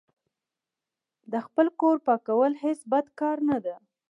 د خپل کور پاکول هیڅ بد کار نه ده.